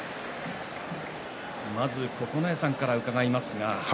まず九重さんから伺います。